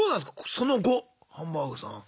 その後ハンバーグさん。